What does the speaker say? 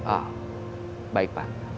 oh baik pak